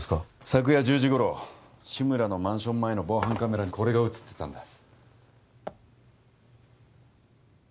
昨夜１０時頃志村のマンション前の防犯カメラにこれが写ってたんだ